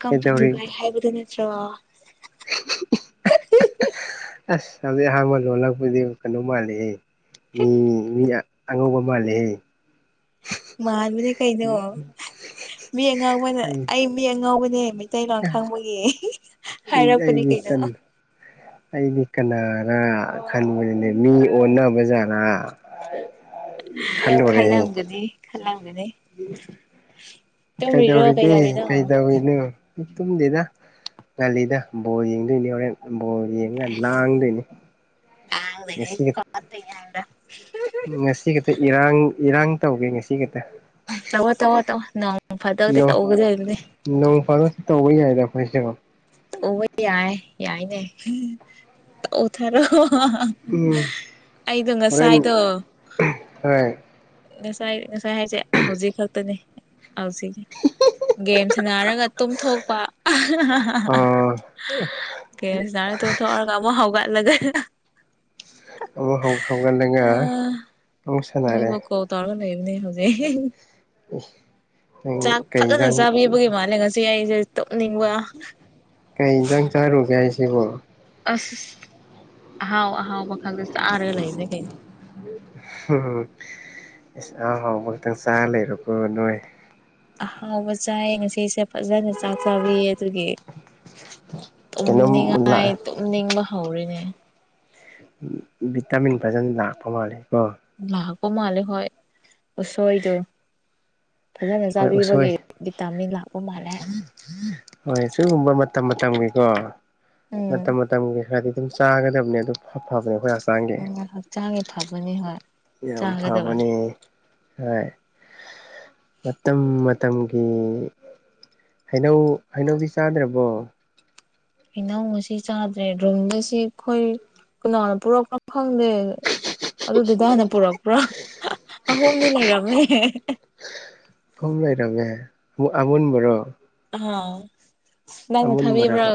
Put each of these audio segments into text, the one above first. ꯀꯝ ꯇꯨ ꯀꯩꯗꯧꯔꯤ ꯗꯨꯕꯥꯏ ꯍꯥꯏꯕꯗꯨꯣ ꯅꯠꯇ꯭ꯔ [inaudible] ꯑꯁ ꯍꯧꯖꯤꯛ ꯑꯍꯥꯟꯕ ꯂꯣꯜꯂꯛꯄꯗꯤ ꯀꯩꯅꯣ ꯃꯥꯜꯂꯤꯍ ꯃꯤ ꯃꯤ ꯑꯉꯧꯕ ꯃꯥꯜꯂꯤꯦꯍꯦ ꯃꯥꯟꯕꯅꯦ ꯀꯩꯅꯣ ꯃꯤ ꯑꯉꯥꯎꯕꯅꯦ ꯑꯩ ꯃꯤ ꯑꯉꯥꯎꯕꯅꯦ ꯃꯥꯡ ꯈꯪꯕꯒꯤ ꯍꯥꯏꯔꯛꯄꯅꯦ ꯑꯩꯗꯤ ꯀꯩꯅꯣ ꯑꯩꯗꯤ ꯀꯅꯥꯔꯥ ꯈꯟꯕꯗꯨꯅꯦ ꯃꯤ ꯑꯣꯟꯅꯕ ꯖꯥꯔꯥ ꯈꯜꯂꯝꯒꯅꯤ ꯈꯜꯂꯝꯒꯅꯤ ꯇꯨꯝꯔꯤꯔꯣ ꯀꯩꯗꯧꯔꯤꯒꯦ ꯀꯩꯗꯧꯔꯤꯅꯣ ꯀꯩꯗꯧꯏꯅꯣ ꯇꯨꯝꯗꯗ ꯉꯂꯤꯗ ꯕꯣꯜ ꯌꯦꯡꯗꯣꯏꯅꯤ ꯍꯣꯔꯦꯟ ꯕꯣꯜ ꯌꯦꯡꯉ ꯂꯥꯡꯗꯣꯏꯅꯤ ꯌꯥꯗꯅꯦ ꯉꯁꯤ ꯀ ꯉꯁꯤ ꯈꯛꯇ ꯏꯔꯥꯡ ꯏꯔꯥꯡ ꯇꯧꯒꯦ ꯉꯁꯤ ꯈꯛꯇ ꯎ ꯇꯧꯋꯣ ꯇꯧꯑꯣꯣ ꯇꯧꯑꯣꯣ ꯅꯪ ꯐꯗꯗꯤ ꯇꯧꯒꯗꯕꯅꯦ ꯅꯣꯡ ꯐꯥꯔꯁꯨ ꯇꯧꯕ ꯌꯥꯏꯗ ꯑꯩꯈꯣꯏꯁꯣ ꯎ ꯌꯥꯏ ꯌꯥꯏꯅꯦ ꯇꯧ ꯊꯔꯣ ꯎꯝ ꯍꯣꯔꯦꯟꯦꯟ ꯍꯣꯏ ꯉꯁꯥꯏ ꯉꯁꯥꯏ ꯍꯥꯏꯁꯦ ꯍꯧꯖꯤꯛ ꯈꯛꯇꯅꯤ ꯍꯧꯖꯤꯛꯅꯤ ꯒꯦꯝꯁꯟꯅꯅꯥꯔꯒ ꯇꯨꯝꯊꯣꯛꯄ ꯑꯥ ꯀꯦꯁ ꯌꯥꯔꯦ ꯇꯨ ꯊꯔ ꯀꯕꯨꯣ ꯍꯧꯥꯎꯒ ꯂꯒꯦ ꯑ ꯍꯪ ꯈꯐꯝꯒꯥꯟ ꯂꯦꯡꯉ ꯅꯕꯨ ꯀꯣꯧ ꯇꯔꯒ ꯂꯩꯕꯅꯦ ꯍꯧꯖꯤ ꯅꯪ ꯆꯥꯛ ꯀꯩ ꯐꯖꯅ ꯏꯟꯖꯥꯡ ꯆꯥꯕꯤꯕꯒꯤ ꯃꯥꯜꯂꯦ ꯉꯁꯤ ꯑꯩꯏꯁꯦ ꯇꯨꯞꯅꯤꯡꯕ ꯀꯩ ꯏꯟꯖꯥꯡ ꯆꯥꯔꯨꯒꯦ ꯍꯥꯏꯁꯤꯕꯣ ꯑꯁ ꯑ ꯑꯍꯥꯎ ꯑꯍꯥꯎ ꯈꯥꯒ꯭ꯔꯁ ꯑ ꯂꯩꯥꯏ ꯂꯩ ꯀꯩꯅꯅ ꯎ ꯏꯁꯁ ꯑꯍꯥꯎ ꯍꯥꯎꯕ ꯈꯛꯇꯪ ꯆꯥꯔ ꯂꯩꯔꯣꯀꯣ ꯅꯣꯏ ꯑꯍꯥꯎꯕ ꯆꯥꯏ ꯉꯁꯤꯁꯦ ꯐꯖꯅ ꯆꯥꯛ ꯆꯥꯕꯤꯌꯦ ꯑꯗꯨꯒꯤ ꯀꯩꯅꯣꯝ ꯇꯨꯝꯅꯤꯡꯉꯥꯏ ꯂꯥꯛ ꯇꯨꯝꯅꯤꯡꯕ ꯍꯧꯔꯤꯅꯦ ꯚꯤꯇꯥꯃꯤꯟ ꯐꯖꯅ ꯂꯥꯛꯄ ꯃꯥꯜꯂꯦ ꯀꯣ ꯂꯥꯛꯀꯣ ꯃꯥꯂꯦ ꯍꯁꯣꯏꯗ ꯐꯖꯅ ꯍꯣꯏ ꯎꯁꯣꯏ ꯆꯥꯕꯤꯕꯒꯤ ꯚꯤꯇꯥꯃꯤꯟ ꯂꯥꯛꯄ ꯃꯥꯜꯂꯦ ꯍꯣꯏ ꯁꯤꯒꯨꯝꯕ ꯃꯇꯝ ꯃꯇꯝꯒꯤꯀꯣ ꯎꯝ ꯃꯇꯝ ꯃꯇꯝꯒꯤ ꯈꯔꯗꯤ ꯑꯗꯨꯝ ꯆꯥꯒꯗꯕꯅꯦ ꯑꯗꯨꯝ ꯐꯕꯅꯦ ꯑꯩꯈꯣꯏ ꯄꯥꯡꯒꯦ ꯎꯝ ꯍꯛꯆꯥꯡꯒꯤ ꯐꯕꯅꯤ ꯍꯣꯏ ꯌꯥꯝ ꯆꯥꯒꯗꯕꯅꯤ ꯐꯕꯅꯦ ꯍꯣꯏ ꯎ ꯃꯇꯝ ꯃꯇꯝꯒꯤ ꯍꯩꯅꯧ ꯍꯩꯅꯧꯗꯤ ꯆꯥꯗ꯭ꯔꯕꯣ ꯏꯩꯅꯧ ꯉꯁꯤ ꯆꯥꯗ꯭ꯔꯦ ꯔꯨꯝꯗ ꯁꯤ ꯑꯩꯈꯣꯏ ꯀꯅꯥꯅ ꯄꯨꯔꯛꯄ꯭ꯔꯣ ꯈꯪꯗꯦ ꯑꯗꯨꯗꯨꯗ ꯍꯥꯟꯅ ꯄꯨꯔꯛꯄ꯭ꯔꯥ ꯑꯍꯨꯝꯗꯤ ꯂꯩꯔꯝꯃꯦ ꯍꯣꯝ ꯂꯩ ꯇꯃꯦ ꯑꯨꯟꯕꯣ ꯑ ꯅꯪꯅ ꯊꯥꯕꯤꯕ꯭ꯔꯣ ꯑꯃꯨꯟꯕꯔꯕ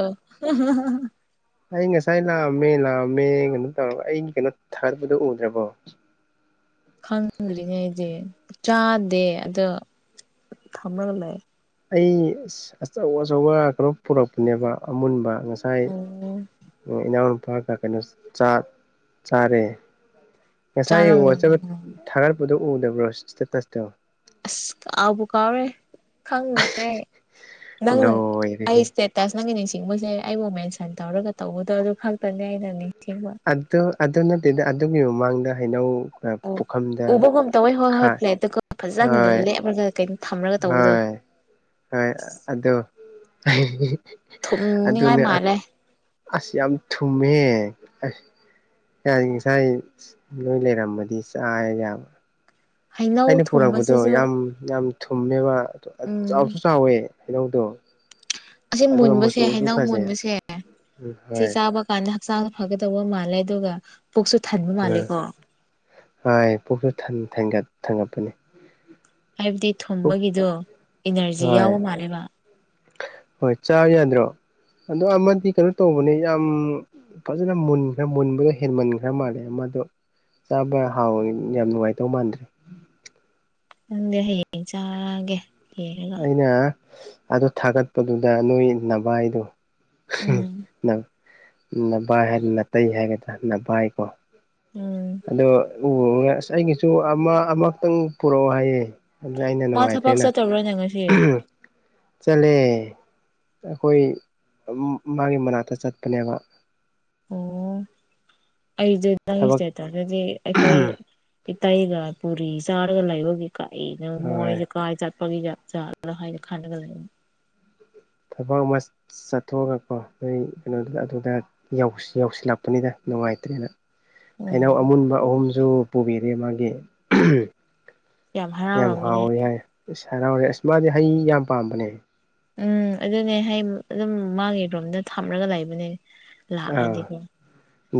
ꯑꯩ ꯉꯁꯥꯏ ꯂꯥꯛꯑꯝꯃꯦ ꯂꯥꯛꯑꯝꯃꯦ ꯀꯩꯅꯣ ꯇꯧꯔꯒ ꯑꯩꯒꯤ ꯀꯩꯅꯣ ꯊꯥꯒꯠꯄꯗꯨꯣ ꯎꯗ꯭ꯔꯕꯣ ꯈꯪꯂꯤꯅꯦ ꯑꯩꯗꯤ ꯆꯥꯗꯦ ꯑꯗꯣ ꯊꯝꯂꯒ ꯂꯩ ꯑꯩ ꯑꯆꯧ ꯑꯆꯧꯕ ꯀꯩꯅꯣ ꯄꯨꯔꯛꯄꯅꯦꯕ ꯑꯃꯨꯟꯕ ꯉꯁꯥꯏ ꯑꯣ ꯏꯅꯥꯎꯅꯨꯄꯥꯒ ꯀꯩꯅꯣ ꯆꯥꯔꯦ ꯉꯁꯥꯏ ꯆꯥꯔꯝꯒꯅꯤ ꯑꯣꯖꯕ ꯊꯥꯒꯠꯄꯗꯣ ꯎꯗꯕ꯭ꯔꯣ ꯁ꯭ꯇꯦꯇꯥꯁꯇꯣ ꯑꯁ ꯀꯥꯎꯕꯨ ꯀꯥꯎꯔꯦ ꯈꯪꯗꯅꯦꯦ ꯅꯪꯅ ꯑꯩ ꯂꯣꯏꯔꯦꯍꯦ ꯏꯁꯇꯦꯠ ꯇꯁ ꯅꯪꯒꯤ ꯅꯤꯡꯁꯤꯡꯕꯁꯦ ꯑꯩꯕꯨ ꯃꯦꯟꯁꯟ ꯇꯧꯔꯒ ꯇꯧꯕꯗꯣ ꯑꯗꯨ ꯈꯛꯇꯅꯦ ꯑꯩꯅ ꯅꯤꯡꯁꯤꯡꯕ ꯑꯗꯨ ꯑꯗꯨ ꯅꯠꯇꯦꯗ ꯑꯗꯨꯒꯤ ꯃꯃꯥꯡꯗ ꯍꯩꯅꯧ ꯑꯣ ꯄꯨꯈꯝꯗ ꯎꯕꯒꯨꯝ ꯇꯧꯋꯦ ꯍꯣꯏ ꯍꯣꯏ ꯈꯥ ꯄ꯭ꯂꯦꯠꯇꯨꯒ ꯐꯖꯅ ꯍꯣꯏ ꯂꯦꯞꯔꯒ ꯀꯩꯅꯣ ꯊꯝꯃꯒ ꯇꯧꯕꯗꯣ ꯍꯣꯏ ꯍꯣꯏ ꯑꯗꯣ ꯊꯨꯝꯅꯤꯡꯉꯥꯏ ꯑꯗꯨꯅꯦ ꯃꯥꯜꯂꯦ ꯑꯁ ꯌꯥꯝ ꯊꯨꯝꯃꯦ ꯑꯁ ꯌꯥ ꯉꯁꯥꯏ ꯅꯣꯏ ꯂꯩꯔꯃꯗꯤ ꯆꯥ ꯌꯥꯕ ꯍꯩꯅꯧ ꯑꯩꯅ ꯄꯨꯔꯛꯄꯗꯣ ꯊꯨꯝꯕꯁꯤꯁꯨ ꯌꯥꯝ ꯌꯥꯝ ꯊꯨꯝꯅꯦꯕ ꯎꯝ ꯆꯥꯎꯁꯨ ꯆꯥꯎꯋꯦ ꯍꯩꯅꯧꯗꯣ ꯑꯁꯤ ꯑꯗꯨꯒ ꯃꯨꯟꯕꯁꯦ ꯃꯆꯨꯁꯨ ꯍꯩꯅꯧ ꯐꯖꯩ ꯃꯨꯟꯕꯁꯦ ꯎꯝ ꯁꯤ ꯍꯣꯏ ꯆꯥꯕ ꯀꯥꯟꯗ ꯍꯛꯆꯥꯡꯗ ꯐꯒꯗꯧꯕ ꯃꯥꯜꯂꯦ ꯑꯗꯨꯒ ꯄꯨꯛꯁꯨ ꯊꯟꯕ ꯃꯥꯜꯂꯦ ꯎꯝ ꯀꯣ ꯍꯣꯏ ꯄꯨꯛꯁꯨ ꯊꯟ ꯊꯟꯒꯠ ꯊꯟꯒꯠꯄꯅꯤ ꯍꯥꯏꯕꯗꯤ ꯊꯨꯝꯕꯒꯤꯗꯣ ꯏꯅꯔꯖꯤ ꯍꯣꯏ ꯌꯥꯎꯕ ꯃꯥꯜꯂꯦꯕ ꯍꯣꯏ ꯆꯥ ꯌꯥꯗ꯭ꯔꯣ ꯑꯗꯣ ꯑꯃꯗꯤ ꯀꯩꯅꯣ ꯇꯧꯕꯅꯦ ꯌꯥꯝ ꯐꯖꯅ ꯃꯨꯟꯈ꯭ꯔꯦ ꯃꯨꯟꯕꯗꯣ ꯍꯦꯟꯃꯟꯈ꯭ꯔ ꯃꯥꯜꯂꯦ ꯃꯗꯣ ꯆꯥꯕ ꯍꯥꯎꯋꯤ ꯌꯥꯝ ꯅꯨꯡꯉꯥꯏꯗꯧ ꯃꯥꯟꯗ꯭ꯔꯦ ꯗꯤ ꯍꯌꯦꯡ ꯆꯥꯒꯦ ꯌꯦꯡꯉꯒ ꯑꯩꯅ ꯑꯗꯨ ꯊꯥꯒꯠꯄꯗꯨꯗ ꯅꯣꯏ ꯅꯚꯥꯏꯗꯣ ꯎꯝ ꯅꯚꯥꯏ ꯍꯥꯏ ꯅꯇꯩ ꯍꯥꯏꯒꯗ꯭ꯔꯥ ꯅꯚꯥꯏꯀꯣ ꯎꯝ ꯑꯗꯣ ꯎꯕꯒ ꯑꯁ ꯑꯩꯒꯤꯁꯨ ꯑꯃ ꯑꯃꯛꯇꯪ ꯄꯨꯔꯛꯑꯣ ꯍꯥꯏꯌꯦ ꯑꯗ ꯑꯩꯅ ꯃꯥ ꯊꯕꯛ ꯅꯨꯡꯉꯥꯏꯇꯦꯅ [unintelligible] ꯉꯁꯤ [inaudible] ꯆꯠꯂꯦ ꯑꯈꯣꯏ ꯃꯥꯒꯤ ꯃꯅꯥꯛꯇ ꯆꯠꯄꯅꯦꯕ ꯑꯣ ꯑꯩꯁꯦ ꯅꯪꯒꯤ ꯊꯕꯛ ꯁꯇꯦꯠꯇꯁꯗꯗꯤ ꯑꯩꯈꯣꯏ ꯏꯇꯩꯒ ꯄꯨꯔꯤ ꯆꯥꯔꯒ ꯂꯩꯕꯒꯤ ꯀꯔꯤꯅꯣ ꯃꯣꯏꯖꯦ ꯀꯥꯏ ꯆꯠꯄꯒꯤꯒ ꯖꯥꯠꯅꯣ ꯍꯥꯏꯅ ꯈꯟꯔꯒ ꯂꯩ ꯊꯕꯛ ꯑꯃ ꯆꯠꯊꯣꯛꯑꯒꯀꯣ ꯅꯣꯏ ꯀꯩꯅꯣꯗꯨꯗ ꯑꯗꯨꯗ ꯌꯧꯁ ꯌꯧꯁꯤꯜꯂꯛꯄꯅꯤꯗ ꯅꯨꯡꯉꯥꯏꯇ꯭ꯔꯦꯅ ꯍꯩꯅꯧ ꯎꯝ ꯑꯃꯨꯟꯕ ꯑꯍꯨꯝꯁꯨ ꯄꯨꯕꯤꯔꯦ ꯃꯥꯒꯤ ꯌꯥꯝ ꯍꯥꯎꯋꯤ ꯍꯥꯏ ꯏꯁ ꯍꯔꯥꯎꯔꯦ ꯑꯁ ꯃꯥꯗꯤ ꯍꯩ ꯌꯥꯝ ꯄꯥꯝꯕꯅꯦ ꯎꯝ ꯑꯗꯨꯅꯦ ꯍꯩ ꯑꯗꯨꯝ ꯃꯥꯒꯤ ꯔꯣꯝꯗ ꯊꯝꯂꯒ ꯂꯩꯕꯅꯦ ꯑꯥ ꯂꯥꯛꯑꯗꯤꯀꯣ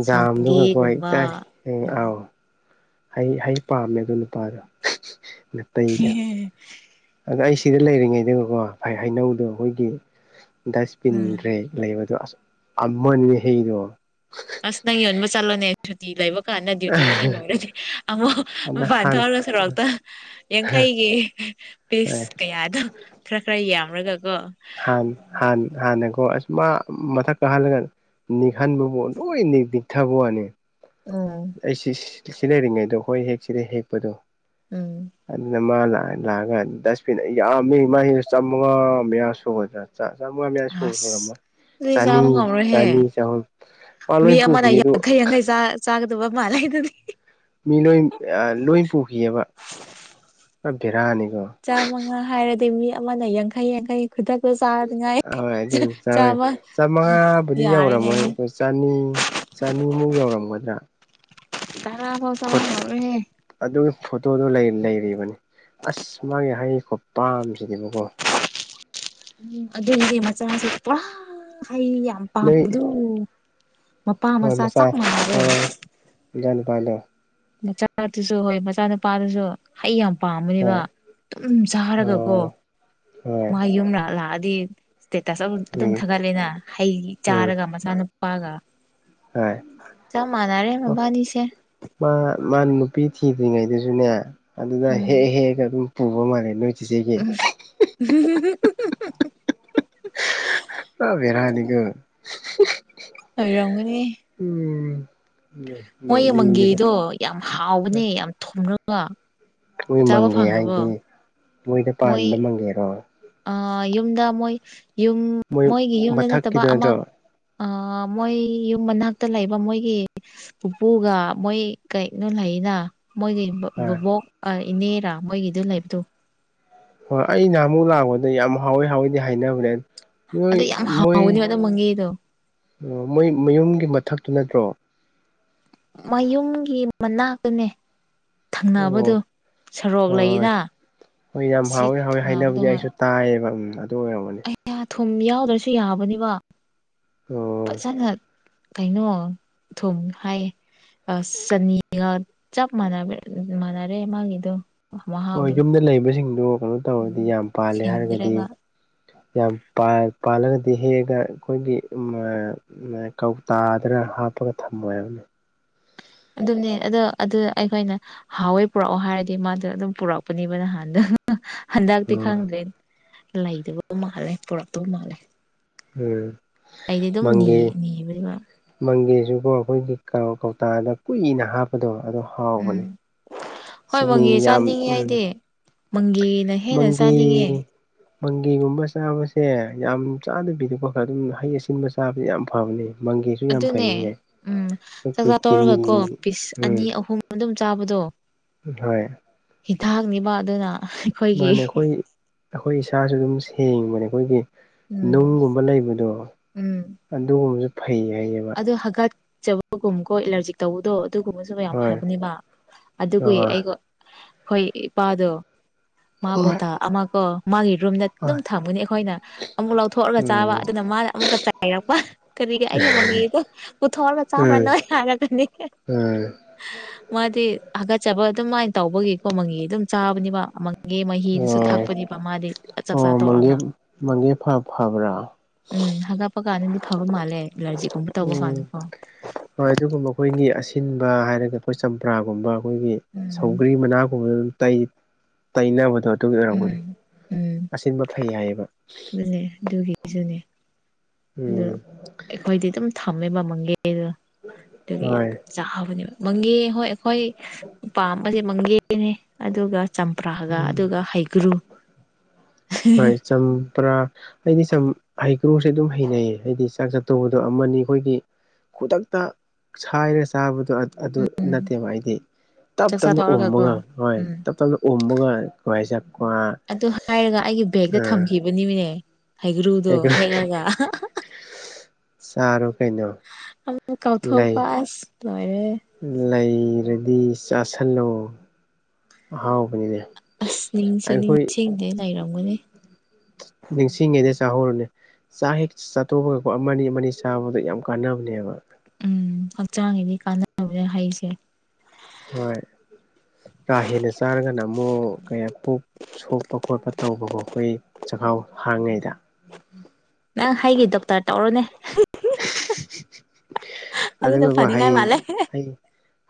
ꯖꯝꯗꯨꯀꯣ ꯍꯦꯛꯇ ꯃꯪꯒꯦꯒꯨꯝꯕ ꯍꯦ ꯎꯝ ꯑꯧ ꯍꯩ ꯍꯩ ꯄꯥꯝꯃꯦ ꯑꯗꯨ ꯅꯨꯄꯥꯗꯣ ꯅꯥꯇꯩꯗꯣ [inaudible] ꯑꯗꯣ ꯑꯩ ꯁꯤꯗ ꯂꯩꯔꯤꯉꯩꯗꯒꯀꯣ ꯍꯩ ꯍꯩꯅꯧꯗꯣ ꯈꯣꯏꯒꯤ ꯗꯁꯕꯤꯟ ꯎꯝ ꯗ꯭ꯔꯦ ꯂꯩꯕ ꯑꯁ ꯑꯃꯅꯤ ꯍꯩꯗꯣ ꯑꯁ ꯅꯪ ꯌꯣꯟꯕ ꯆꯜꯂꯣꯅꯦ ꯁꯨꯇꯤ ꯂꯩꯕ ꯀꯥꯟꯗ ꯗ꯭ꯌꯨꯇꯤ ꯅꯪꯒꯤ ꯂꯣꯏꯔꯗꯤ ꯑꯃꯨꯛ ꯑꯗ ꯃꯄꯥꯟ ꯍꯥꯟ ꯊꯣꯛꯔꯒ ꯁꯣꯔꯣꯛꯇ ꯌꯥꯡꯈꯩꯒꯤ ꯄꯤꯁ ꯀꯌꯥꯗꯣ ꯈꯔ ꯈꯔ ꯌꯥꯝꯔꯒꯀꯣ ꯍꯥꯟ ꯍꯥꯥꯟ ꯍꯥꯟ ꯅꯀꯣ ꯑꯁ ꯃꯥ ꯃꯊꯛ ꯀꯥꯍꯜꯂꯒ ꯅꯤꯛ ꯍꯥꯟꯕꯕꯨ ꯂꯣꯏꯅ ꯅꯤꯕꯤꯛꯊꯕ ꯋꯥꯅꯦ ꯎꯝ ꯑꯩꯁꯤ ꯁꯤ ꯁꯤ ꯂꯩꯔꯤꯉꯩꯗ ꯈꯣꯏ ꯍꯦꯛ ꯁꯤꯅ ꯍꯦꯛꯄꯗꯣ ꯎꯝ ꯑꯗꯨꯅ ꯃꯥ ꯂꯥꯟ ꯂꯥꯛꯑꯒ ꯗꯁꯕꯤꯟꯗ ꯑꯥ ꯌꯥꯝꯃꯤ ꯃꯥꯗꯣ ꯆꯥꯝꯃꯉꯥ ꯃꯌꯥ ꯁꯨꯒꯗ꯭ꯔꯥ ꯆꯥ ꯆꯥꯝꯉꯥ ꯃꯥꯌꯥ ꯁꯨ ꯑꯁ ꯁꯨꯔꯝꯃꯣꯏ ꯑꯗꯨꯗꯤ ꯆꯥꯅꯤ ꯆꯥꯕ ꯉꯝꯔꯣꯏꯍꯦ ꯆꯥꯅꯤ ꯆꯍꯨꯝ ꯃꯥ ꯃꯤ ꯂꯣꯏ ꯑꯃꯅ ꯄꯨꯈꯤꯗꯨ ꯌꯥꯡꯈꯩ ꯌꯥꯡꯈꯩ ꯆꯥ ꯆꯥꯒꯗꯕ ꯃꯥꯜꯂꯦ ꯗꯨꯗꯤ ꯃꯤ ꯂꯣꯏ ꯑ ꯂꯣꯏ ꯄꯨꯈꯤꯑꯕ ꯈꯔ ꯕꯦꯔꯥꯅꯤꯀꯣ ꯆꯥꯝꯃꯉꯥ ꯍꯥꯏꯔꯗꯤ ꯃꯤ ꯑꯃꯅ ꯌꯥꯡꯈꯩ ꯌꯥꯡꯈꯩ ꯈꯨꯗꯛꯇ ꯆꯥꯔꯗꯤ ꯉꯥꯏ ꯍꯣꯏ ꯑꯗꯨ ꯆ ꯆꯥꯃ ꯌꯥꯔꯦꯅꯦ ꯆꯥꯅꯤ ꯆꯥꯅꯤꯃꯨꯛ ꯌꯧꯔꯝꯒꯗ꯭ꯔꯥ ꯇꯔꯥ ꯐꯥꯎ ꯐꯨꯠ ꯆꯥꯔꯝꯃꯔꯣꯏꯍꯦ ꯑꯗꯨꯒꯤ ꯐꯣꯇꯣꯗꯣ ꯂꯩ ꯂꯩꯔꯤꯕꯅꯤ ꯑꯁ ꯃꯥꯒꯤ ꯍꯩ ꯈꯨ ꯄꯥꯝꯁꯤꯗꯤꯕꯀꯣ ꯎꯝ ꯑꯗꯨꯒꯤ ꯃꯆꯥꯁꯨ ꯄꯨꯔꯥ ꯍꯩ ꯌꯥꯝ ꯅꯣꯏ ꯄꯥꯝꯕꯗꯣ ꯃꯄꯥ ꯃꯆꯥ ꯆꯞ ꯃꯥꯟꯅꯔꯦ ꯃꯆꯥꯅꯨꯄꯥꯗꯣ ꯃꯆꯥꯗꯨꯁꯨ ꯍꯣꯏ ꯃꯆꯥ ꯅꯨꯄꯥꯗꯨꯁꯨ ꯍꯩ ꯌꯥꯝ ꯄꯥꯝꯕꯅꯦꯕ ꯍꯣꯏ ꯑꯗꯨꯨꯝ ꯆꯥꯔꯒꯀꯣ ꯑꯣ ꯍꯣꯏ ꯃꯥ ꯌꯨꯝꯗ ꯂꯥꯛꯑꯗꯤ ꯁ꯭ꯇꯦꯇꯁ ꯑꯗꯨꯝ ꯎꯝ ꯊꯥꯒꯠꯂꯦꯅ ꯍꯩ ꯎꯝ ꯆꯥꯔꯒ ꯃꯆꯥꯅꯨꯄꯥꯒ ꯍꯣꯏ ꯆꯥꯞꯃꯥꯅꯔꯦ ꯃꯕꯥꯅꯤꯁꯦ ꯃꯥ ꯃꯥꯅ ꯅꯨꯄꯤ ꯊꯤꯗ꯭ꯔꯤꯉꯩꯗꯁꯨꯅꯦ ꯑꯗꯨꯗ ꯍꯦꯛ ꯎꯝ ꯍꯦꯛꯑꯒ ꯑꯗꯨꯝ ꯄꯨꯕ ꯃꯥꯜꯂꯦ ꯅꯣꯏ ꯆꯦꯆꯦ ꯒꯤ [inaudible] ꯑ ꯕꯤꯔꯥꯅꯤꯒ [inaudible] ꯑꯣꯏꯔꯝꯒꯅꯤ ꯎꯝ ꯃꯣꯏ ꯅꯣꯛꯅꯤꯡꯉꯤꯗ ꯃꯪꯒꯦꯗꯣ ꯌꯥꯝ ꯍꯥꯎꯕꯅꯦ ꯌꯥꯝ ꯊꯨꯝꯂꯒ ꯃꯣꯏ ꯃꯪꯒꯦ ꯍꯥꯏꯗꯤ ꯃꯣꯏꯗ ꯃꯣꯏ ꯄꯥꯟꯕ ꯃꯪꯒꯦꯔꯣ ꯑ ꯌꯨꯝꯗ ꯃꯣꯏ ꯌꯨꯝ ꯃꯣꯏ ꯃꯣꯏꯒꯤ ꯌꯨꯝꯗ ꯅꯠꯇꯕ ꯃꯊꯛꯀꯤꯗꯣ ꯑꯃ ꯅꯠꯇ꯭ꯔꯣ ꯑ ꯃꯣꯏ ꯌꯨꯝ ꯃꯅꯥꯛꯇ ꯂꯩꯕ ꯃꯣꯏꯒꯤ ꯄꯨꯄꯨꯒ ꯃꯣꯏ ꯀꯔꯤꯅꯣ ꯂꯩꯅ ꯃꯣꯏꯒꯤ ꯑ ꯕꯨꯕꯣꯛ ꯏꯅꯦꯔꯥ ꯃꯣꯏꯒꯤꯗ ꯂꯩꯕꯗꯣ ꯍꯣꯏ ꯑꯩ ꯅꯍꯥꯟꯃꯨꯛ ꯂꯥꯛꯄꯗ ꯌꯥꯝ ꯍꯥꯎꯋꯦ ꯍꯥꯎꯋꯦꯗꯤ ꯍꯥꯏꯅꯕꯅꯦ ꯅꯣꯏ ꯑꯗꯨ ꯌꯥꯝ ꯍꯥꯎꯕꯅꯦ ꯑꯗꯣ ꯃꯪꯒꯦꯗꯣ ꯑꯣ ꯃꯣꯏ ꯃꯌꯨꯝꯒꯤ ꯃꯊꯛꯇꯨ ꯅꯠꯇ꯭ꯔꯣ ꯃꯌꯨꯝꯒꯤ ꯃꯅꯥꯛꯇꯅꯦ ꯊꯪꯅꯕꯗꯣ ꯑꯣ ꯁꯔꯣꯛ ꯍꯣꯏ ꯂꯩꯌꯦꯅ ꯍꯣꯏ ꯌꯥꯝ ꯁꯤ ꯍꯥꯎꯋꯦ ꯍꯥꯎꯋꯦ ꯊꯪꯅꯕꯗꯣ ꯍꯥꯏꯅꯕꯗꯤ ꯍꯣꯏ ꯑꯩꯁꯨ ꯇꯥꯏꯌꯦꯕ ꯑꯗꯨ ꯑꯣꯏꯔꯝꯒꯅꯤ ꯀꯌꯥ ꯊꯨꯝ ꯌꯥꯎꯗ꯭ꯔꯁꯨ ꯌꯥꯕꯅꯦꯕ ꯑꯣ ꯐꯖꯅ ꯀꯩꯅꯣ ꯊꯨꯝ ꯍꯥꯏꯌꯦ ꯑ ꯆꯅꯤꯒ ꯆꯞ ꯃꯥꯟ ꯃꯥꯟꯅꯔꯦ ꯃꯥꯒꯤꯗꯣ ꯍꯣꯏ ꯃꯍꯥꯎꯗꯣ ꯌꯨꯝꯗ ꯂꯩꯕꯁꯤꯡꯗꯨ ꯀꯩꯅꯣ ꯇꯧꯔꯗꯤ ꯌꯥꯝ ꯄꯥꯜꯂꯦ ꯍꯥꯏꯔꯒꯗꯤ ꯁꯤꯟꯗ꯭ꯔꯦꯕ ꯌꯥꯝ ꯄꯥꯜꯂꯒꯗꯤ ꯍꯦꯛꯑꯒ ꯑꯩꯈꯣꯏꯒꯤ ꯀꯧꯇꯥꯗ ꯍꯥꯞꯄꯒ ꯊꯝꯃꯣ ꯑꯗꯨꯅꯦ ꯑꯗꯣ ꯑꯗꯨ ꯑꯩꯈꯣꯏꯅ ꯍꯥꯎꯋꯦ ꯄꯨꯔꯛꯑꯣ ꯍꯥꯏꯔꯗꯤ ꯃꯥꯁꯨ ꯑꯗꯨꯝ ꯄꯨꯔꯛꯄꯅꯦꯕ ꯅꯍꯥꯟꯗꯣ ꯍꯟꯗꯛꯇꯤ ꯎꯝ ꯈꯪꯗ꯭ꯔꯦ ꯂꯩꯇꯕ ꯃꯥꯜꯂꯦ ꯄꯨꯔꯛꯇꯕ ꯃꯥꯜꯂꯦ ꯎꯝ ꯑꯩꯗꯤ ꯑꯗꯨꯝꯅꯤ ꯃꯪꯒꯦ ꯅꯤꯕꯗꯨ ꯃꯪꯒꯦꯁꯨꯀꯣ ꯑꯩꯈꯣꯏꯒꯤ ꯀꯧꯇꯥꯗ ꯀꯨꯏꯅ ꯍꯥꯞꯒꯗꯕ ꯑꯗꯣ ꯎꯝ ꯍꯥꯎꯕꯅꯤ ꯍꯣꯏ ꯆꯤꯅꯤ ꯃꯪꯒꯦ ꯌꯥꯝ ꯆꯥꯅꯤꯡꯉꯦ ꯎꯝ ꯑꯩꯗꯤ ꯃꯪꯒꯦꯅ ꯍꯦꯟꯅ ꯃꯪꯒꯦ ꯆꯥꯅꯤꯡꯉꯦ ꯃꯪꯒꯦꯒꯨꯝꯕ ꯆꯥꯕꯁꯦ ꯌꯥꯝ ꯆꯥꯗꯕꯤꯗꯀꯣ ꯈꯔ ꯑꯗꯨꯝ ꯍꯩ ꯑꯁꯤꯟꯕ ꯆꯥꯕꯁꯦ ꯌꯥꯝ ꯐꯕꯅꯦ ꯃꯪꯒꯦꯁꯨ ꯌꯥꯝ ꯑꯗꯨꯅꯦ ꯐꯩꯌꯦ ꯎꯝ ꯑꯩꯈꯣꯏꯒꯤ ꯆꯥꯛꯆꯥꯥ ꯀꯤꯅꯤ ꯇꯧꯔꯒ ꯀꯣ ꯄꯤꯁ ꯑꯅꯤ ꯎꯝ ꯑꯍꯨꯝ ꯑꯗꯨꯝ ꯆꯥꯕꯗꯣ ꯍꯣꯏ ꯍꯤꯊꯥꯛꯅꯤꯕ ꯑꯗꯨꯅ ꯑꯩꯈꯣꯏꯒꯤ ꯃꯥꯅꯦ ꯑꯩꯈꯣꯏ ꯑꯩꯈꯣꯏ ꯏꯁꯥꯁꯨ ꯑꯗꯨꯝ ꯁꯦꯡꯕꯅꯦ ꯑꯩꯈꯣꯏꯒꯤ ꯎꯝ ꯅꯨꯡꯒꯨꯝꯕ ꯂꯩꯕꯗꯣ ꯑꯗꯨꯒꯨꯝꯕꯁꯨ ꯐꯩ ꯍꯥꯏꯌꯦꯕ ꯍꯒꯠꯆꯕꯒꯨꯝ ꯀꯣ ꯑꯦꯂꯔꯖꯤ ꯇꯧꯕꯗꯣ ꯑꯗꯨꯒꯨꯝꯕꯁꯨ ꯃꯌꯥꯝ ꯍꯣꯏ ꯐꯕꯅꯦꯕ ꯑꯗꯨꯒꯤ ꯍꯣꯏ ꯑꯩꯒꯣ ꯑꯩꯈꯣꯏ ꯏꯄꯥꯗꯣ ꯃꯥ ꯕꯣꯇꯥꯜ ꯑꯃ ꯀꯣ ꯃꯥꯒꯤ ꯔꯨꯝꯗ ꯑꯗꯨꯝ ꯍꯣꯏ ꯊꯝꯒꯅꯤ ꯑꯩꯈꯣꯏꯅ ꯑꯃꯨꯛ ꯂꯧꯊꯣꯛꯑꯒ ꯆꯥꯕ ꯎꯝ ꯑꯗꯨꯅ ꯃꯥꯅ ꯑꯃꯨꯛꯀ ꯆꯥꯏꯔꯛꯄ ꯀꯔꯤꯒ ꯑꯩ ꯃꯪꯒꯦꯗꯣ ꯄꯨꯊꯣꯛꯑꯒ ꯆꯥꯕ꯭ꯔꯥ ꯎꯝ ꯅꯣꯏ ꯌꯥꯔꯒꯅꯤ ꯎꯝ ꯃꯥꯗꯤ ꯍꯥꯒꯠꯆꯕ ꯑꯗꯨꯃꯥꯏꯅ ꯇꯧꯕꯒꯤꯀꯣ ꯃꯪꯒꯦ ꯑꯗꯨꯝ ꯆꯥꯕꯅꯦꯕ ꯒꯤ ꯃꯍꯤꯗꯨꯁꯨ ꯑꯣ ꯊꯛꯄꯅꯦꯕ ꯃꯥꯗꯤ ꯆꯥꯛꯆꯥ ꯑꯣ ꯃꯪꯒꯦ ꯇꯣꯛꯔꯒ ꯃꯪꯒꯦ ꯐꯥ ꯐꯕ꯭ꯔꯥ ꯎꯝ ꯍꯥꯂꯥꯛꯄ ꯀꯥꯟꯗꯗꯤ ꯐꯕ ꯃꯥꯜꯂꯦ ꯑꯦꯂꯥꯔꯖꯤꯒꯨꯝꯕ ꯇꯧꯕ ꯎꯝ ꯀꯥꯟꯗ ꯀꯣ ꯍꯣꯏ ꯑꯗꯨꯒꯨꯝꯕ ꯑꯩꯈꯣꯏꯅꯤ ꯑꯁꯤꯟꯕ ꯍꯥꯏꯔꯒ ꯑꯩꯈꯣꯏ ꯆꯝꯄ꯭ꯔꯥꯒꯨꯝꯕ ꯑꯩꯈꯣꯏꯒꯤ ꯎꯝ ꯁꯧꯒ꯭ꯔꯤ ꯃꯅꯥꯒꯨꯝꯕꯗꯣ ꯑꯗꯨꯝ ꯇꯩ ꯇꯩꯅꯕꯗꯣ ꯑꯗꯨꯒꯤ ꯑꯣꯏꯔꯝꯒꯅꯤ ꯎꯝ ꯑꯁꯤꯟꯕ ꯐꯩ ꯍꯥꯏꯌꯦꯕ꯫ ꯑꯗꯨꯨꯅꯦ ꯑꯗꯨꯒꯤꯁꯨꯅꯦ꯫ ꯑꯗꯨ ꯎꯝ꯫ ꯑꯩꯈꯣꯏꯗꯤ ꯑꯗꯨꯝ ꯊꯝꯃꯦꯕ ꯃꯪꯒꯤ ꯍꯩꯗꯣ꯫ ꯑꯗꯨꯒꯤ ꯌꯥꯝ ꯍꯣꯏ ꯆꯥꯕꯅꯦꯕ ꯃꯪꯒꯤ ꯍꯩ ꯍꯣꯏ ꯑꯩꯈꯣꯏ ꯄꯥꯝꯕꯁꯦ ꯃꯪꯒꯤ ꯍꯩꯅꯦ ꯑꯗꯨꯒ ꯆꯝꯄ꯭ꯔꯥꯒ ꯎꯝ ꯑꯗꯨꯒ ꯍꯩꯒ꯭ꯔꯨ꯫ ꯍꯣꯏ [unintelligible] ꯆꯝꯄ꯭ꯔꯥ꯫ ꯑꯩꯗꯤ ꯆꯝ ꯍꯩꯀ꯭ꯔꯨꯁꯦ ꯑꯗꯨꯝ ꯍꯩꯅꯩꯌꯦ ꯍꯥꯏꯗꯤ ꯆꯥꯛ ꯆꯥꯠꯇꯣꯛꯄꯗ ꯑꯃꯅꯤ ꯑꯩꯈꯣꯏꯒꯤ ꯈꯨꯗꯛ ꯇ ꯁꯥꯏꯔ ꯆꯥꯕꯗꯣ ꯑꯗ ꯑꯗꯨ ꯎꯝ ꯅꯠꯇꯦꯕ ꯑꯩꯗꯤ꯫ ꯇꯞ ꯆꯥꯛꯆꯥ ꯇꯞꯅ ꯇꯧꯔꯒꯀꯣ ꯎꯝꯃꯒ ꯍꯣꯏ ꯎꯝ ꯇꯞ ꯇꯞꯅ ꯎꯝꯃꯒ [unintelligible] ꯍꯦꯛꯔꯒ ꯑꯩꯒꯤ ꯕꯦꯒꯇ ꯊꯝꯈꯤꯕꯃꯅꯤꯅꯦ ꯍꯩꯒ꯭ꯔꯨꯗꯣ ꯍꯩꯀ꯭ꯔꯨ ꯍꯦꯛꯂꯒ ꯑꯍꯥ ꯑꯍꯥ꯫ ꯆꯥꯔꯣ ꯀꯩꯅꯣ꯫ ꯑꯩ ꯀꯥꯎꯊꯣꯛꯄ ꯂꯩ ꯑꯁ ꯂꯣꯏꯔꯦ꯫ ꯂꯩꯔꯗꯤ ꯆꯥꯥꯁꯜꯂꯣ꯫ ꯑꯍꯥꯎꯕꯅꯤꯅꯦ꯫ ꯑꯁ ꯅꯤꯡꯁꯨ ꯑꯩꯈꯣꯏ ꯅꯤꯡꯁꯤꯡꯗꯦ ꯂꯩꯔꯝꯒꯅꯤ꯫ ꯅꯤꯡꯁꯤꯡꯉꯤꯗ ꯆꯥꯍꯧꯔꯣꯅꯦ꯫ ꯆꯥꯛ ꯍꯦꯛ ꯆꯥꯇꯣꯛꯄꯒꯀꯣ ꯑꯃꯅꯤ ꯑꯃꯅꯤ ꯆꯥꯕꯗ ꯌꯥꯝ ꯀꯥꯟꯅꯕꯅꯦꯕ꯫ ꯎꯝ ꯍꯛꯆꯥꯡꯒꯤꯗꯤ ꯀꯥꯟꯅꯅꯕꯅꯦ ꯍꯩꯁꯦ꯫ ꯍꯣꯏ ꯀꯥ ꯍꯦꯟꯅ ꯆꯥꯔꯒꯅ ꯑꯃꯨꯛ ꯀꯌꯥ ꯄꯨꯛ ꯁꯣꯛꯄ ꯈꯣꯠꯄ ꯇꯧꯕꯀꯣ ꯑꯩꯈꯣꯏ ꯆꯈꯥꯎ ꯍꯥꯡꯉꯤꯉꯩꯗ꯫ ꯅꯪ ꯍꯩꯒꯤ ꯗꯣꯛꯇꯔ ꯇꯧꯔꯣꯅꯦ꯫ ꯑꯗꯨꯅ ꯑꯗꯨꯒꯀꯣ ꯍꯩ ꯐꯅꯤꯡꯉꯥꯏ ꯃꯥꯜꯂꯦ ꯍꯩ꯫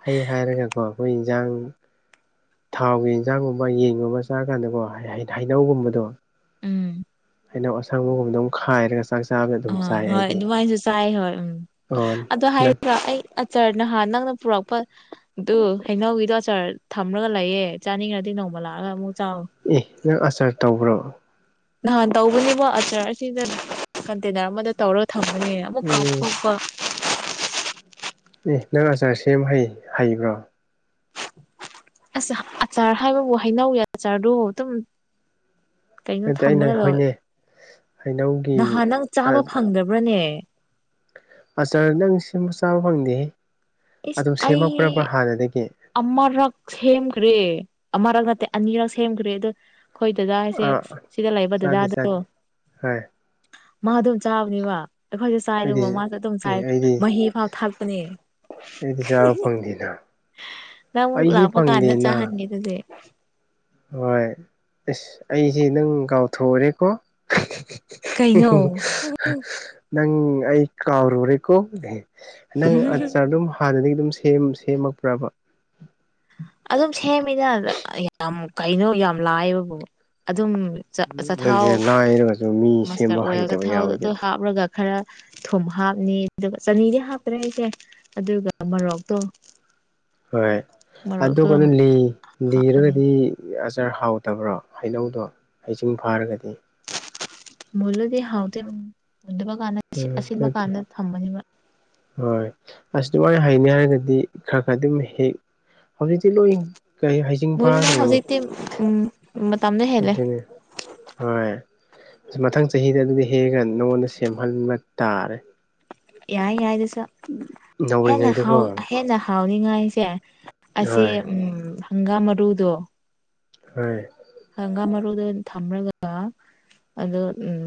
ꯍꯩ ꯍꯥꯏꯔꯒꯀꯣ ꯑꯩꯈꯣꯏ ꯏꯟꯁꯥꯡ ꯊꯥꯎꯒꯤ ꯏꯟꯖꯥꯡꯒꯨꯝꯕ ꯌꯦꯟꯒꯨꯝꯕ ꯆꯥꯔ ꯀꯥꯟꯗꯀꯣ ꯍꯩ ꯍꯩꯅꯧꯒꯨꯝꯕꯗꯨ꯫ ꯎꯝ ꯍꯩꯅꯧ ꯑꯁꯪꯕꯒꯨꯝꯕꯗꯣ ꯑꯃ ꯈꯥꯏꯔꯒ ꯆꯥꯛ ꯆꯥꯕꯗ ꯑꯗꯨꯝ ꯑ ꯆꯥꯏ ꯍꯣꯏ ꯑꯩꯗꯤ ꯑꯗꯨꯃꯥꯏꯅꯁꯨ ꯆꯥꯏ ꯍꯣꯏ ꯎꯝ ꯑꯣ ꯑꯗꯣ ꯅꯪ ꯍꯥꯏꯕꯔ ꯑꯩ ꯆꯔ ꯅꯍꯥꯟ ꯅꯪꯅ ꯄꯨꯔꯛꯄ ꯑꯗꯨ ꯍꯩꯅꯧꯒꯤꯗꯣ ꯑꯆꯥꯔ ꯊꯝꯂꯒ ꯂꯩꯌꯦ ꯆꯥꯅꯤꯡꯔꯗꯤ ꯅꯣꯡꯃ ꯂꯥꯛꯑꯒ ꯑꯃꯨꯛ ꯆꯥꯎ꯫ ꯑꯦ ꯅꯪ ꯑꯆꯥꯔ ꯇꯧꯕ꯭ꯔꯣ꯫ ꯅꯍꯥꯟ ꯇꯧꯕꯅꯦꯕ ꯑꯆꯔ ꯑꯁꯤꯗ ꯀꯟꯇꯦꯅꯔ ꯑꯃꯗ ꯇꯧꯔꯒ ꯊꯝꯕꯅꯦ꯫ ꯑꯃꯨꯛ ꯎꯝ ꯀꯥꯎꯊꯣꯛꯄ ꯑꯦ ꯅꯪ ꯑꯆꯥꯔ ꯁꯦꯝ ꯍꯩ ꯍꯩꯕ꯭ꯔꯣ꯫ ꯑꯁ ꯑꯆꯥꯔ ꯍꯥꯏꯕꯕꯨ ꯍꯩꯅꯧꯒꯤ ꯑꯆꯥꯔꯗꯨ ꯑꯗꯨꯝ ꯀꯩꯅꯣ ꯅꯠꯇꯦ ꯑꯩꯅ ꯊꯝꯂꯒ ꯂꯧ ꯍꯣꯏꯅꯦ ꯍꯩꯅꯧꯒꯤ ꯅꯍꯥꯟ ꯅꯪ ꯆꯥꯕ ꯐꯪꯗꯕ꯭ꯔꯅꯦ꯫ ꯑꯆꯥꯔ ꯅꯪ ꯁꯦꯝꯃ ꯆꯥꯕ ꯐꯪꯗꯦ ꯏꯁ ꯑꯗꯨꯝ ꯁꯦꯝꯃꯛꯄ꯭ꯔꯕ ꯑꯩ ꯍꯥꯟꯅꯗꯒꯤ꯫ ꯑꯃꯔꯛ ꯁꯦꯝꯈ꯭ꯔꯦ ꯑꯃꯔꯛ ꯅꯠꯇꯦ ꯑꯅꯤꯔꯛ ꯁꯦꯝꯈ꯭ꯔꯦ ꯑꯗꯨ ꯑꯩꯈꯣꯏ ꯗꯗꯥ ꯍꯥꯏꯁꯦ ꯑꯥ ꯁꯤꯗ ꯂꯩꯕ ꯆꯥꯗꯦ ꯗꯗꯥꯗꯣ꯫ ꯆꯥꯗꯦ ꯍꯣꯏ ꯃꯥ ꯑꯗꯨꯝ ꯆꯥꯕꯅꯦꯕ ꯑꯩꯈꯣꯏꯁꯨ ꯆꯥꯏ ꯑꯩꯗꯤ ꯑꯗꯨꯒ ꯃꯥꯁꯨ ꯑꯗꯨꯝ ꯑꯦ ꯆꯥꯏ ꯑꯩꯗꯤ ꯃꯍꯤ ꯐꯥꯎ ꯊꯛꯄꯅꯦ꯫ ꯑꯩꯗꯤ ꯆꯥꯕ ꯐꯪꯗꯦꯅ꯫ ꯅꯪ ꯑꯩꯗꯤ ꯂꯥꯛꯄ ꯀꯥꯟꯅ ꯐꯪꯗꯦꯅ ꯆꯍꯟꯒꯦ ꯑꯗꯨꯗꯤ꯫ ꯍꯣꯏ ꯑꯁ ꯑꯩꯁꯦ ꯅꯪ ꯀꯥꯎꯊꯣꯛꯎꯔꯦꯀꯣ꯫ ꯀꯩꯅꯣ ꯅꯪ ꯑꯩ ꯀꯥꯎꯔꯨꯔꯦꯀꯣ ꯒꯍꯥꯏ꯫ ꯅꯪ ꯑꯆꯔ ꯑꯗꯨꯝ ꯍꯥꯟꯅꯗꯒꯤ ꯑꯗꯨꯝ ꯁꯦꯝ ꯁꯦꯝꯃꯛꯄ꯭ꯔꯕ꯫ ꯑꯗꯨꯝ ꯁꯦꯝꯃꯤꯗ ꯌꯥꯝ ꯀꯩꯅꯣ ꯌꯥꯝ ꯂꯥꯏꯕꯕꯨ ꯑꯗꯨꯝ ꯑꯆꯥ ꯑꯆꯊꯥꯎ ꯅꯠꯇꯦ ꯂꯥꯏꯔꯒꯁꯨ ꯃꯤ ꯃꯁꯇꯔꯠ ꯁꯦꯝꯕ ꯑꯣꯏꯜ ꯍꯩꯇꯕ ꯊꯥꯎ ꯑꯗꯨ ꯌꯥꯎꯋꯤꯗꯨꯗꯤ ꯍꯥꯞꯂꯒ ꯈꯔ ꯊꯨꯝ ꯍꯥꯞꯅꯤ ꯑꯗꯨꯒ ꯆꯅꯤꯗꯤ ꯍꯥꯞꯄ꯭ꯔꯥ ꯑꯩꯁꯦ ꯑꯗꯨꯒ ꯃꯣꯔꯣꯛꯇꯣ꯫ ꯍꯣꯏ ꯑꯗꯨ ꯃꯣꯔꯣꯛꯇꯣ ꯀꯩꯅꯣ ꯂꯤ ꯍꯥꯞꯄꯅꯦ ꯂꯤꯔꯒꯗꯤ꯫ ꯑꯆꯥꯔ ꯍꯥꯎꯇꯕ꯭ꯔꯣ ꯍꯩꯅꯧꯗꯣ ꯍꯩꯖꯤꯡ ꯐꯥꯔꯒꯗꯤ꯫ ꯃꯨꯜꯂꯗꯤ ꯍꯥꯎꯇꯦ ꯃꯨꯟꯗꯕ ꯀꯥꯟꯗ ꯎꯝ ꯑꯁꯤꯟꯕ ꯅꯠꯇꯦ ꯀꯥꯟꯗ ꯊꯝꯕꯅꯤꯕ꯫ ꯍꯣꯏ ꯑꯁ ꯑꯗꯨꯃꯥꯏꯅ ꯍꯥꯏꯅꯤ ꯍꯥꯏꯔꯒꯗꯤ ꯈꯔ ꯈꯔ ꯑꯗꯨꯝ ꯍꯦꯛ ꯍꯧꯖꯤꯛꯇꯤ ꯂꯣꯏ ꯀ ꯍꯥꯏ ꯃꯨꯜꯂꯦ ꯍꯧꯖꯤꯛꯇꯤ ꯎ ꯃꯇꯝꯗ ꯍꯦꯜꯂꯦ ꯑꯗꯨꯅꯦ ꯍꯣꯏ ꯃꯊꯪ ꯆꯍꯤꯗ ꯑꯗꯨꯗꯤ ꯍꯦꯛꯒ ꯅꯉꯣꯟꯗ ꯁꯦꯝꯍꯟꯕ ꯇꯥꯔꯦ ꯌꯥꯏ ꯌꯥꯏ ꯗꯨ ꯁꯨ ꯍꯦꯅ ꯅꯧꯔꯤꯉꯩꯗꯀꯣ ꯍꯥꯎ ꯍꯦꯅ ꯍꯥꯎꯅꯤꯉꯥꯏꯁꯦ ꯑꯁꯤ ꯍꯣꯏ ꯎ ꯍꯪꯒꯥꯝ ꯃꯔꯨꯗꯣ ꯍꯣꯏ ꯍꯪꯒꯥꯝ ꯃꯔꯨꯗ ꯊꯝꯂꯒ ꯑꯗꯣ ꯎꯝ